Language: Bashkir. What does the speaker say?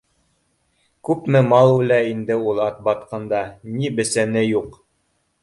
Күпме мал үлә инде ул Атбатҡанда, ни бесәне юҡ